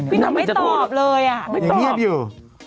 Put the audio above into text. พี่หนึ่งไม่ตอบเลยอ่ะไม่ตอบหมดเบ้ยเย็บอยู่